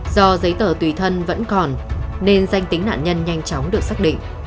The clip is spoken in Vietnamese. do giấy tờ tùy thân vẫn còn nên danh tính nạn nhân nhanh chóng được xác định